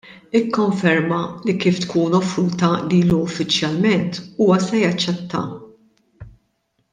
Ikkonferma li kif tkun offruta lilu uffiċjalment, huwa se jaċċettaha.